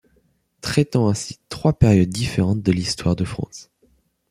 Traitant ainsi trois périodes différentes de l'Histoire de France.